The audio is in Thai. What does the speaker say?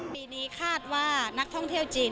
ปีนี้คาดว่านักท่องเที่ยวจีน